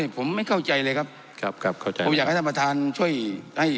ผมไม่เข้าใจเลยครับครับเข้าใจผมอยากให้ท่านประธานช่วยให้